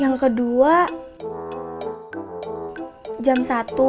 yang kedua jam satu